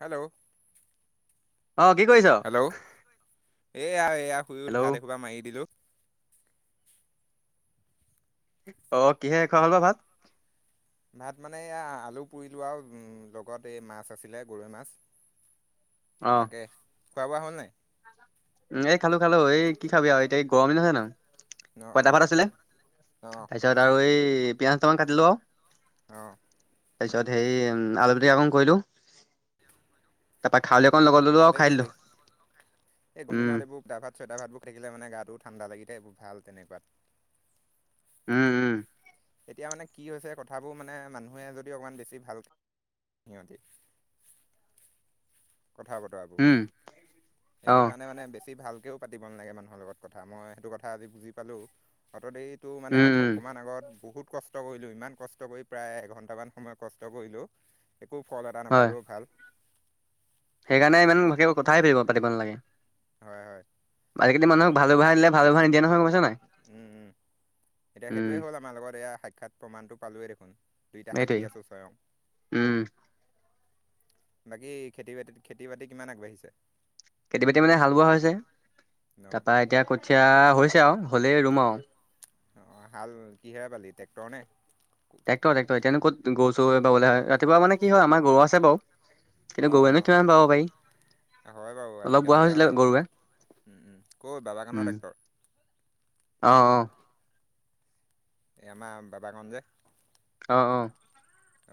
Hello অঁ কি কৰিছ। হেল্ল' এয়া এইয়া শুই উঠি হেল্ল' ভাত এসোপা মাৰি দিলো অঁ কিহে খোৱা হল ব ভাত? ভাত মানে এয়া আলু পুৰি লোৱাও লগত এই মাছ আছিলে গৰৈ মাছ অ তাকে খোৱা বোৱা হ'ল নাই? উম এই খালো খালো এই কি খাবি আৰু এতি এই গৰম দিনছে নহয় অঁ পঁইতা অঁ ভাত আছিলে অঁ তাৰপিছত আৰু এই পিয়াজ দুটামান কাটিলো আৰু আহঁ তাৰ পিছত সেই আলু পিটিকা অকণ কৰিলো। হয়। খাৰলি অকণ লগত ললো আৰু ভালেই খাই কৰিলি দিলো এই গম উম দিনত এইবোৰ দা ভাত চো ভাত বু থাকিলে মান গা ঠাণ্ডা লাগিতে এইবোৰ ভাল তেনেকুৱাত উম উম এতিয়া মানে কি হৈছে কথাবোৰ মানে মানুহে যদি অকমান বেছি ভাল হয় হয় [unintelligible] কথা বতৰাবোৰ উম অ সেইটো কাৰণে মানে বেছি ভাল বেছিকৈ পাতিব নালাগে মানুহৰ লগত কথা মই সেইটো কথা আজি বুজি পালোঁ অ' দেৰিত তোৰ মানে উম উম অকণমান আগত বহুত কষ্ট কৰিলোঁ ইমান কষ্ট কৰি প্ৰায় এঘন্টামান সময় কষ্ট কৰিলোঁ একো ফল এটা হয় নাপালেও ভাল সেইকাৰণে ইমান ভালে কথাহে ফৰিব পাতিব নালাগে হয় হয়। আজিকালি মানুহক ভাল ভাল ব্যৱহাৰৰ দিলে ভাল ব্যৱহাৰ নিদিয় নহয় পাইছ নাই উম উম এতিয়া উম সেইটোৱে হ'ল আমাৰ লগত এয়া সাক্ষৎ প্ৰমাণটো পালোই দেখোন দুইটা সেইটোৱেই সাক্ষী আছো স্বয়ং উম বাকী খেতি বাতিত খেতি বাতি কিমান আগবাঢ়িছে খেতি বাতি মানে হাল বোৱা হৈছে। ন তাৰপা এতিয়া কঠীয়া হৈছে আৰু হলেই ৰুম আৰু অ হাল কিহেৰে বালি ট্ৰেক্টৰ নে টেক্টৰ টেক্টৰ এতিয়ানো ক'ত গৰু তৱে ৰাতিপুৱা মানে কি হয় আমাৰ গৰু আছে বাৰু কিন্তু গৰুৱেনো অঁ কিমান পাব পাৰি- হয় বাৰু অলপ বোৱা আজিকালি হৈছিলে আও গৰুৱে উম বাবাকানৰ ট্ৰেক্টৰ। অহ অহ। এ আমাৰ বাবাগন যে অ অ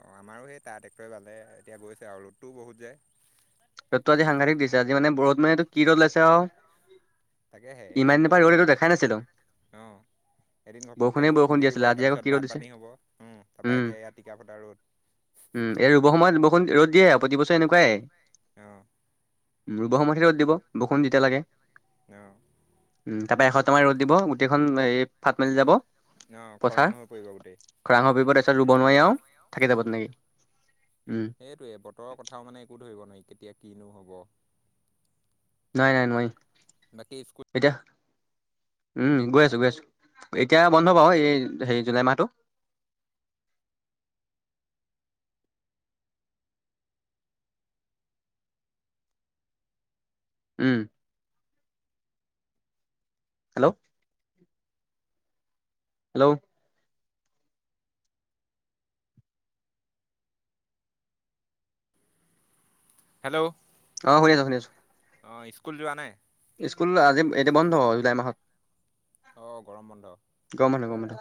অঁ আমাৰো সেই তাৰ ট্ৰেক্টৰে বালে এতিয়া গৈছে আৰু ৰ'দটোও বহুত যায়- ৰ'দতটো আজি সাংঘাটিক দিছে আজি মানে ৰ'দ মানেটো কি ৰ'দ উলাইছে আও তাকে হে এদিন বৰষুণ অহ এদিন ঘপকে বৰষুণে বৰষুণ দি দিব আছিলে আজি আকৌ কি তাৰপিছত ৰ'দ দিছে বানপানী হব উম তাৰ পৰা উম এতিয়া ইয়া টিকা ফটা ৰ'দ। উম এই ৰুব সময়ত ব বৰষুণ ৰ'দ দিয়ে প্ৰতি বছৰে এনেকুৱাই। অ মো ৰুব সময়ত'হে ৰ'দ দিব বৰষুণ যেতিয়া লাগে। তেওঁ [unintelligible] উম তাৰপৰা এসপ্তাটামান ৰ'দ দিব গোটেইখন এই ফাট মেলি যাব। অ পথাৰ খৰাং হৈ পৰিব গোটেই- খৰাং হৈ পৰিব তাৰপিছত ৰুব নোৱাই‌ আও। সেইটোৱে বতৰৰ কথাও মানে একো ধৰিব নোৱাৰি কেতিয়া কিনো হ'ব। নাই নাই নোৱাৰি বাকী স্কুল এতিয়া উম গৈ আছো গৈ আছো এতিয়া বন্ধ পাব এই হে জুলাই মাহটো আ [inaudible] উম। হেল্ল'। হেল্ল' হেল্ল' অ শুনিছোঁ শুনিছোঁ অ স্কুল যোৱা নাই? স্কুল আজি এতিয়া বন্ধ হব জুলাই মাহত। অঁ গৰম বন্ধ। গৰম বন্ধ গৰম বন্ধ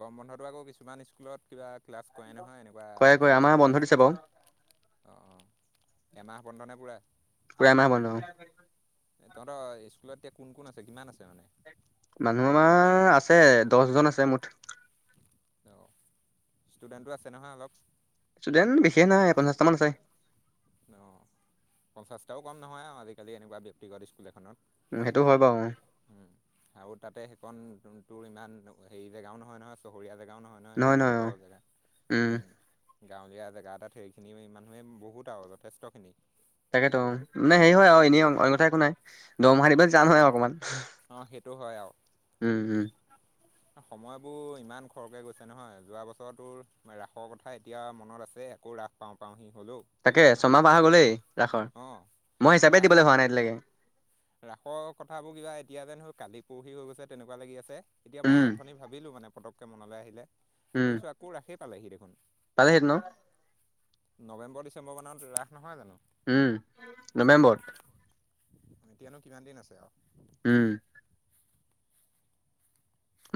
গৰম বন্ধটো আকৌ কিছুমান স্কুলত কিবা ক্লাছ কৰে নহয় এনেকুৱা কৰে কৰে আৰ্টচৰ আমাৰ বন্ধ দিছে বাৰু ক্লাছ অহ বন্ধনে পোৰা পোৰা এমাহ বন্ধ। তহঁতৰ স্কুলত এতিয়া কোন কোন আছে কিমান আছে মানে মানুহ আমাৰ আছে দহ জন আছে মুঠ। অ ষ্টুডেণ্টটো আছে নহয় অলপ? ষ্টুডেণ্ট বিশেষ নাই পঞ্চাছটা মান আছে। অ পঞ্চাছটাও কম নহয় আৰু আজিকালি এনেকুৱা ব্যক্তিগত স্কুল এখনত। উম সেইটো হয় বাৰু উম আৰু তাতে সেইকণ তোৰ ইমান হেৰি জেগাও নহয় নহয় চহৰীয়া জেগা গাও নহয় নহয় এইটো নগৰৰ জেগা উম গাঁৱলীয়া জেগা এটাত সেইখিনি মানুহে বহুত আৰু যথেষ্টখিনি। তাকেতো মানে হেৰি হয় আৰু এনেই অন্য কথা একো নাই দৰমহা দিবলৈ যাম হয় অকমান। টো হয় আৰু। উম উম সময়বোৰ ইমান খৰকে গৈছে নহয় যোৱা বছৰ তোৰ ৰাসৰ কথা এতিয়া মনত আছে। আকৌ ৰাস পাওঁ পাওঁহি হ'লেও তাকে ছমাহ পাৰ হৈ গ'লেই ৰাসৰ অঁ মই হিচাপে ৰাসখন দিবলে হোৱা নাই এতিয়ালেকে। ৰাসৰ কথাবোৰ কিবা এতিয়া যেন হে কালি পৰহি হৈ গৈছে তেনেকোৱা লাগি আছে এতিয়া মই উম অথনি ভাবিলোঁ মানে পটককে মনলে আহিলে ভাবিছো আকৌ ৰাসেই পালেহি দেখোন পালেহেতনো নৱেম্বৰ ডিচেম্বৰ মানত ৰাস নহয় জানো উম নৱেম্বৰত এতিয়ানো কিমান দিন আছে আও উম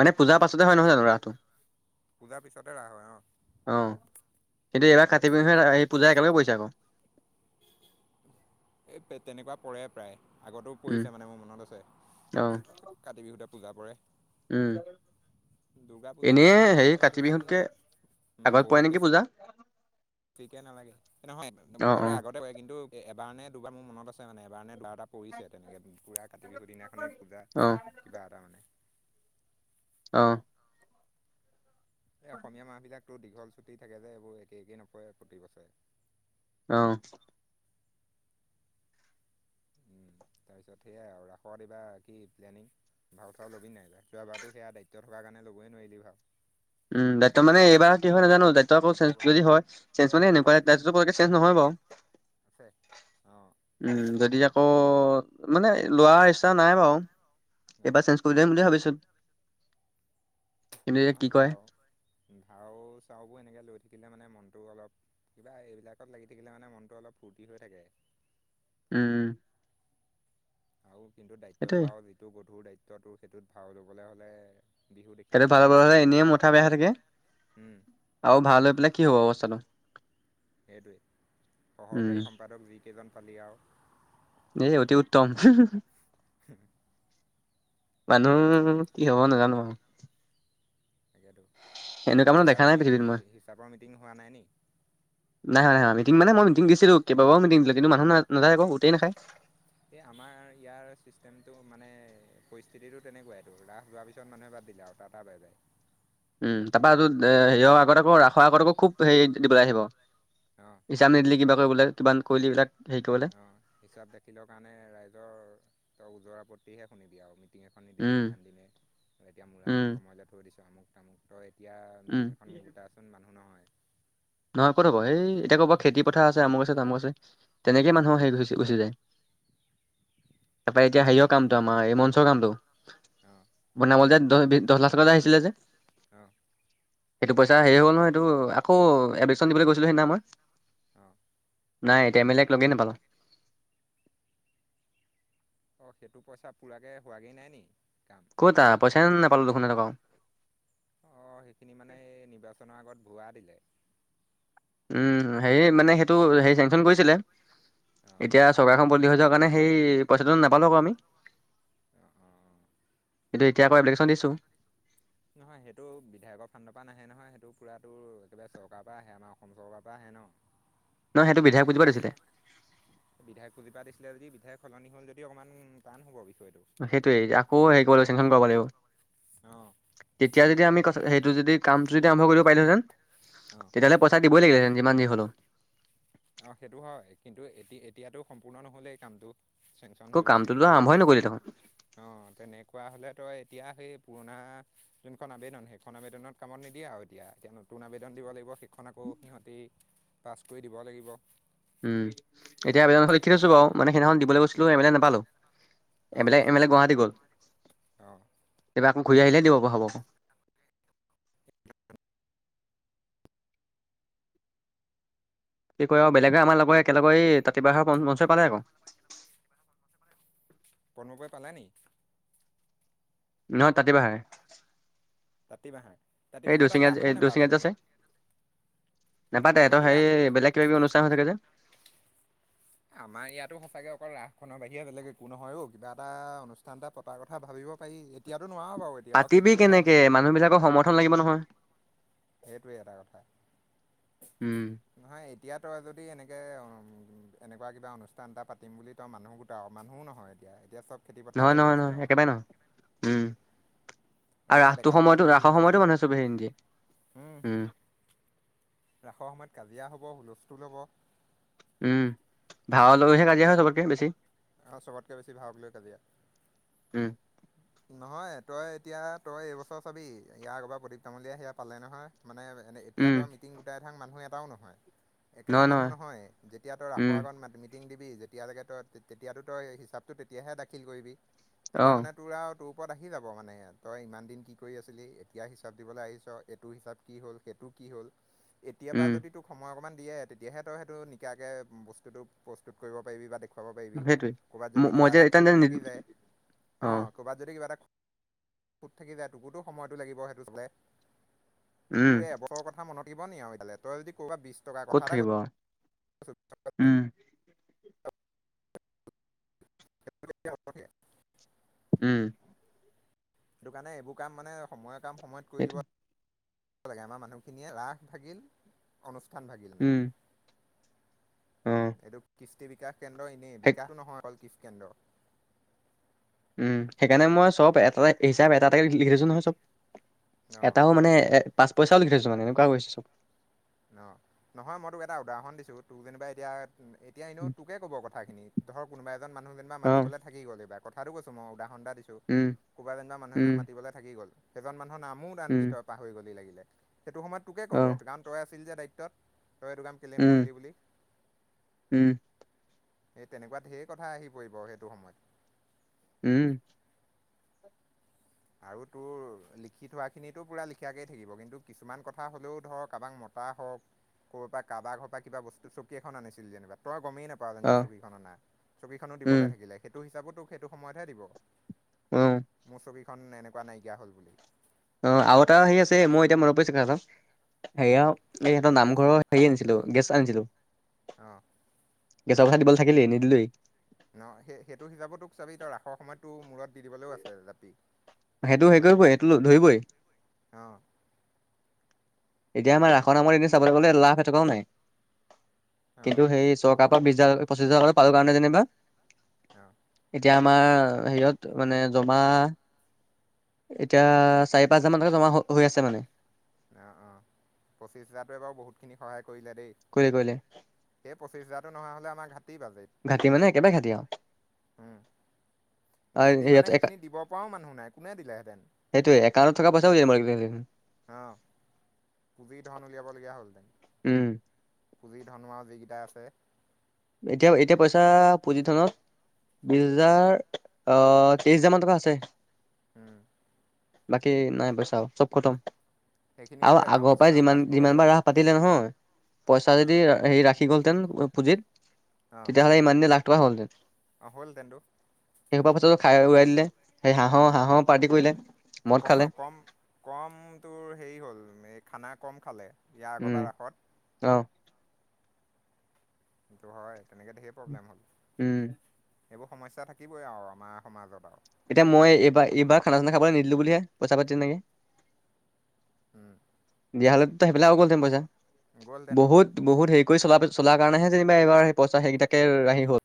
মানে পূজাৰ পাছতে হয় নহয় জানো ৰাসটো পূজাৰ পিছতে ৰাস হয় অ অ কিন্তু এইবাৰ কাতি বিহুে এই পূজাই একেলগে পৰিছে আকৌ [unintelligible] এ তেনেকোৱা পৰে প্ৰায় আগতো উম, পৰিছে মানে মোৰ মনত অ', আছে কাতি বিহুত পূজা পৰে উম দুৰ্গা পূজাটো আমাৰ এনেই হেৰি গাঁওখনত কাতি ইমান বিহুতকে আগত পৰে নিকি পূজা ঠিকে নালাগে নহয় অ', পৰে অ', আগতে কৰে কিন্তু এবাৰ নে দুবাৰ মোৰ মনত আছে মানে এবাৰ মানে লৰা পূজা অহ কিবা এটা মানে অ এই অসমীয়া মানুহ বিলাকতো দীঘল ছুটি থাকে যে এইবোৰ একে একেই নপৰে প্ৰতি বছৰে অহ উম, তাৰপিছত সেয়াই আৰু ৰাসত এইবাৰ কি প্লেনিং ভাল চাই ল'বি নাই যোৱাবাৰতো সেয়া দায়িত্ব থকা কাৰণে ল'বই নোৱাৰিলি ভাল উম বৰ্তমানে এইবাৰ কি হয় নাজানো তই আক হ'ব চেঞ্জ যদি হয় চেঞ্জ এয়া মানে এনেকোৱা চেঞ্জ নহয় বাৰু আছে অঁ উম যদি আকৌ মানে লোৱাৰ ইচ্ছা নাই বাৰু অঁ এইবাৰ চেঞ্জ কৰি দিম বুলি ভাবিছো কিন্তু এতিয়া কি নহয় কয় ভাও ভাও চাউ বোৰ এনেকে লৈ থাকিলে মানে মনটো অলপ কিবা এইবিলাকত লাগি থাকিলে মানে মনটো অলপ ফূৰ্তি হৈ থাকে উম আৰু কিন্তু দায়িত্বটো সেইটোয়ে। আৰু যিটো গধুৰ দায়িত্বটো সেইটোত ভাও লবলে হ'লে বিহু দেখি সেটো ভাও যাবি ললে হলে এনে মথা বেয়া থাকে উম, আৰু ভাও লৈ পেলাই কি হ'ব অৱস্থাটো সেইটোৱে উম, সহকাৰী সম্পাদক যিকেইজন পালি আও এ অতি উত্তম [unintelligible] মানুহ কি হ'ব নাজানো আৰু তাকো তই এনেকুৱা কি মানুহ দেখা হিচাপ দিয়াই পৃথিৱীত নাই মই। হিচাপৰ মিটিং হোৱা নাই নি? দিন মানে মি দিছিলো কেই বাওটাও মিটিং দিছিলো কিন্তু মানুহ নাই নেযাই গোটেই নাখায়। এই আমাৰ ইয়াৰ চিষ্টেমটো মানে পৰিস্থিতিটো তেনেকোৱাইটো ৰাস হোৱাৰ পিছত মানুহে বা বিলা তঠটা বাই বাই। উম তাৰপা হেৰিৰ আগত আকৌ ৰাসৰ আগত আকৌ খুব হেৰি দিবলৈ আহিব। অঁ ইচাম নিদিলে কিবা কৰিবলে কিমান কলি এইবিলাক হেৰি কৰিবলৈ অ হিচাপ দেখিলৰ কাৰণে ৰাইজৰ তই ওজ আপত্তিহে শুনিবি আৰু ম টিং এখন নি দিলি উম ইমান দিনে আৰু এতিয়া মূৰা মূৰি উম সময়লৈাত থৈ দিছোঁ আমুক তামুক তই এতিয়া উম মিটিং এখন গোটাচোন মানুহ নহয়। নহয় ক'ত হ'ব এই এতিয়া ক'ৰবাত খেতি পথাৰ আছে আমুক আছে তামুক আছে। তেনেকেই উম মানুহ শেষ গুচি যায়। তাৰাপৰা এতিয়া হেৰিৰ কামটো আমাৰ এই মঞ্চৰ কামটো অঁ বনাব যে। দহ দহ লাখ টকা আহিছিলে যে? অ সেইটো পইচা হেৰি হ'ল নহয় এইটো আকৌ এডমিশ্যন দিবলৈ গৈছিলো সিদিনা মই। অ নাই এতিয়া এম এক লগেই নাপালোঁ। অ সেইটো পইচা পুৰাকে হোৱাগেই নাই নেকি কতা পইচা ন নাপালোঁ দেখোন। এটকাও অঁ সেইখিনি মানে এই নিৰ্বাচনৰ আগত ভুৱা দিলে। উম হেৰি মানে সেইটো হে চেংচন কৰিছিলে, অঁ এতিয়া চৰকাৰখন বদলি হৈ যোৱা কাৰণে সেই পইচাটো নাপালো আক আমি। অ অ। কিন্তু এতিয়া আকৌ এব্লিকেশ্যন দিছো। নহয় সেইটো বিধায়কৰ ফান্দৰ পৰা নাহে নহয়, সেইটো পুৰাতো একেবাৰে চৰকাৰৰ পৰা আহে আমাৰ অসম চৰকাৰৰ পৰা আহে ন? নহ সেইটো বিধায়ক বুজিব দিছিলে। উহে সলনি হ'ল যদি অকণমান টান হ'ব বিষয়টো। সেইটোয়ে আকৌ হেৰি কৰিব লাগ চেংশন কৰিব লাগিব। অ', তেতিয়া যদি আমি ক সেইটো যদি কামটো যদি আৰম্ভ কৰিব পাৰিলোঁহেঁতেন অ', তেতিয়াহ'লে পইচা দিবই লাগিলে হেঁতেন যিমান যি হলেও। আহ সেইটো হয় কিন্তু এতি এতিয়াতো সম্পূৰ্ণ নহলেই কামটো। চেংন আকৌ হল বুলি তো কামটোতো তোৰ আৰম্ভই নকৰিলি দেখোন অ তেনেকুৱা হলে তই এতিয়া সেই পুৰণা যোনখন আবেদন সেইখন আবেদনত কামত নিদিয়ে আৰু এতিয়া, এতিয়া নতুন আবেদন দিব লাগিব। খন আকৌ সিহঁতি পাছ কৰি দিব লাগিব। উম এতিয়া আবেদনখন লিখি থৈছো বাৰু, মানে সেইদিনাখন দিবলৈ গৈছিলো এম এল এ নাপালো। এম্ অ', এল্ এ গুৱাহাটী গল, অ', ঘূৰি আহিলেই দিব প হ'ব। কি কয় আৰু বেলেগে আমাৰ লগে একেলগে তাতিপাহৰ মঞ্চ পালে আকৌ পনবে পালে নি? নহয় তাতে বাহে। তাতীবাঁহ? এই দশেঙত যে আছে। নাপাতে সেত সিহঁতি সেই ৰাসো বেলেগ কিবা কি অনুষ্ঠান হৈ থাকে যে। আমাৰ ইয়াতো সঁচাকে অকল ৰাস খনৰ বাহিৰে বেলেগ একো নহয় অ, কিবা এটা অনুষ্ঠান এটা পতাৰ কথা ভাবি পাৰি, এতিয়া। নোৱাৰা বাৰু আৰু খেতি পাতিবি পথাৰৰ কেনেকে দিন মানুহবলাকৰ সমৰ্থন লাগিব নহয়। সেইটোৱে এটা কথা, উম নহয় এতিয়া তই যদি এনে এনেকুৱা কিবা অনুষ্ঠান এটা পাতিম বুলি ত মানুহ গোটাওঁ মানুহো নহয় এতিয়া এতিয়া চব খেতি পথাৰতে নহয় নহয় ব্যস্ত নহয় আৰু একেবাৰে নহয়,, উম আৰু এনেকুৱা ডেকা ৰাসটো ল'ৰা সময়তো দুই ৰাসৰ তিনিটামান সময়তো হ'ব মানুহে চবে হেৰি নি দিয়ে উম, ৰাসৰ সময়ত কাজিয়া হ'ব, হুলস্থুল হ'ব উম, ভাওৰ লৈহে কাজিয়া হয় চবতকে বেছি আৰু চবতকে বেছি ভাউ লৈ কাজিয়া, উম নহয় তই এতিয়া তই এইবছৰ চাবি ইয়াৰ ক'ৰবাৰ প্ৰদীপ তামলীয়া সেয়া পালে নহয় মানে এনে উম এতিয়াতো আৰু মিটিং গোটাই থাক মানুহ এটাও নহয় একেবাৰে মানুহ নহয়, যেতিয়া তই ৰাসৰ উম আগত মিটিং দিবি যেতিয়ালৈকে তই তেতিয়াতো তই হিচাপটো তেতিয়াহে দাখিল কৰিবি অ তেতিয়া মানে তোৰ আৰু তোৰ ওপৰত আহি যাব মানে তই ইমান দিন কি কৰি আছিলি? এতিয়া হিচাপ দিবলৈ আহিছ এইটো হিচাপ কি হ'ল? সেইটো কি হ'ল এতিয়া পৰা উম যদি তোক সময় অকণমান দিয়ে তেতিয়াহে তই সেইটো নিকাকে বস্তুতটো প্ৰস্তুত কৰিব পাৰিবি বা দেখুৱাব পাৰিবি। সেইটোৱে কৰ'ৰবাত ম যদি কিবা মই যে এটা এতিয়া খুত যে থাকি যায়, অ ক'ৰবাত যদি কিবা এটাু খুঁত থাকি যায় তোকুতো সময়টো লাগিব সেইটো চলে উম তোৰ এবছৰৰ কথা মনত থাকিব নি আৰু এইফালে, তই যদি ক'বা বিছ টকাৰ ক'ত কথা এটা থাকিব কৈ আৰু উম [inaudible] [unintelligible] উম। সেইটো কাৰণে এইবোৰ কাম মানে সময়ৰ কাম সময়ত কৰি সেইটো দিব লাগে আমাৰ মানুহখিনিয়ে ৰাস ভাগিল অনুষ্ঠান ভাগিল। উম অ এইটো কৃষ্টি বিকাশ কেন্দ্ৰ এনেই, সেই বিকাশ নহয় অকল কৃষ্টি কেন্দ্ৰ। উম, সেইকাৰণে মই চব এটা- এটা হিচাপ এটা- এটা লিখি দিছো নহয় চব। ন এটাও মানে এ পাঁচ পইচাও লিখি থৈছো মানে, এনেকুৱা হৈছোঁ অ', নহয় মই তোক এটা উদাহৰণ দিছোঁ, তোক যেনিবা এতিয়া এতিয়া এনেও তোকে ক'ব কথা খিনি ধৰ কোনোবা এজন মানুহ যেনিবা অ মাতিবলে থাকি গ'ল এইবাৰ। কথাটো কৈছো মই উদাহৰণ এটা দিছো উম কোনবা যেনিবা মানুহ উম এজন মাতিবলে থাকি গ'ল সেইজন মা নামো দান কি উম তই পাহৰি গ'লি লাগিলে। সেইটো সময়ত তোকে অ ক'ব কাৰণ, তই আছিল যে দায়িত্বত। তই এইটো কাম কেলে উম নকৰিলি বুলি। উম এই তেনেকুৱা ঢেৰ কথা আহি পৰিব সেইটো সময়ত। উম। আৰু তোৰ লিখি থোৱাখিনিতো পুৰা লিখাকেই থাকিব কিন্তু কিছুমান কথা হ'লেও ধৰ কাৰোবাক ম হওক ক'ৰ পৰা কাৰোবাক ঘৰ পৰা কিবা বস্তু চকী এখন আনিছিল যেনিবা তই গমেই নাপা অ যেনিবা চকীখন অনা, চকীখনো উম দিবলে থাকিলে সেইটো হিচাপো তোক সেইটো সময়তহে দিব। অ'। খন এনেকুৱা নাইকিয়া হ'ল বুলি। অ' আৰু এটা হেৰি আছে মই এতিয়া মনত পৰিছে কথাটো, হেৰি অঁ আও এই ইহঁতৰ নামঘৰৰ হেৰি আনিছিলো গেছ আনিছিলো অ'। গেছৰ পইচা দিবলে থাকিলেই, নিদিলেই। সুখৰ সময়তো মূৰত দি দিবলৈও আছে জাপি। এইটো সেইটো কি হেৰি হ'ল বুলি কৰিবই সেইটো ধৰিবই। অঁ এতিয়া আমাৰ ৰাসৰ নামৰ এনে চাবলৈ গ'লে লাভ এটকাও নাই, অঁ কিন্তু হেৰি চৰকা বিছ হাজাৰ পঁচিছ হাজাৰ টকা পালো কাৰণে যেনিবা [inaudible] এতিয়া আমাৰ হেৰিয়ত মানে জমা এতিয়া চাৰি পাঁচ হাজাৰ মান টকা জমা হৈ আছে মানে। অ' -অ' পঁচিশ হাজাৰটোৱে বাৰু বহুত খিনি সহায় কৰিলে দেই, কৰিলে কৰিলে সেই পঁচিছ হেজাৰটো নহা হ'লে আমাৰ ঘাট ঘাটি মানে একেবাৰে ঘাটি আৰু। উম আৰু ঘাটি ইয়াত মানে একা- সেইখিনি দিব পৰাও মানুহ নাই কোনে দিলেহেঁতেন। সেইটোৱে একাউণ্টত থকা পইচাও [unintelligible] লাগিলেহেঁতেন। অ', পুজি ধন উলিয়াবলগীয়া হ'লহেতেন। উম পুঁজি ধনু আও যিকেইটা আছে। এতিয়া- এতিয়া পইচা পুঁজি ধনত বিছ হাজাৰ আ তেইছ হাজাৰ মান টকা আছে। উম্। বাকী নাই পইচাও, চব খতম। আৰু সেইখিনিতো একাউণ্ট আগৰ আছে পৰাই ন যিমান পাছবুক আছে যিমানবাৰ ৰাস পাতিলে নহয় পইচা যদি হেৰি ৰাখি গ'লহেতেন পুঁজিত, তেতিয়াহ'লে ইমান দিনে লাখ টকা হ'লহেতেন। অ' হ'ল হেতেন টো। সেইসোপা পইছাটো খাই উৰুৱাই দিলে, সেই হাঁহৰ- হাঁহৰ পাৰ্টি কৰিলে। মদ ক খালে কম- কম তোৰ হেৰি হ'ল, এ খানাৰ কম খালে, ইয়াৰ উম আগৰবাৰ ৰাসত অ কিন্তু হয় তেনেকে ধেই প্ৰব্লেম হ'ল উম এইবোৰ সমস্যা থাকিবই আৰু আমাৰ সমাজত আৰু এতিয়া মই এইবাৰ এইবাৰ খানা চানা খাবলৈ নিদিলো বুলিহে পইচা পাতি তেনেকে। উম! দিয়া হ'লে সেইফিলাকও গলতেম পইচা গ'লহেতেনতো বহুত বহুত হেৰি [unintelligible] [unintelligible] কৰি চলা চল কাৰণেহে যেনিবা এবাৰেই পইচা সেইকেইটা হেই হ'ল [unintelligible]